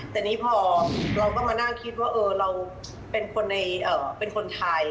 แต่นี่พอเราก็มานั่งคิดว่าเราเป็นคนไทย